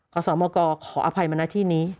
ขอสัมมากรขออภัยมาหน้าที่นี้